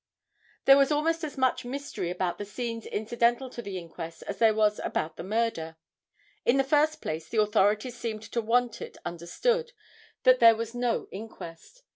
There was almost as much mystery about the scenes incidental to the inquest as there was about the murder. In the first place the authorities seemed to want it understood that there was no inquest.